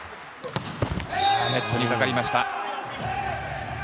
ネットにかかりました。